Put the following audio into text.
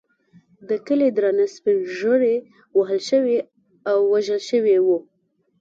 د کلي درانه سپین ږیري وهل شوي او وژل شوي وو.